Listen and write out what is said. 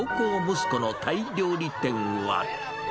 息子のタイ料理店は。